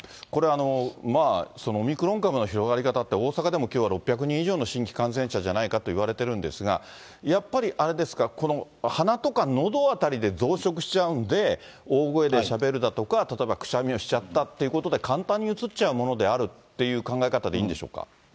これ、オミクロン株の広がり方って大阪でもきょうは６００人以上の新規感染者じゃないかといわれてるんですが、やっぱりあれですが、鼻とかのど辺りで増殖しちゃうんで、大声でしゃべるだとか、例えばくしゃみをしちゃったということで、簡単にうつっちゃうと考えていいんでしょうか。